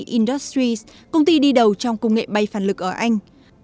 industries công ty đi đầu trong công nghệ bay phản lực ở anh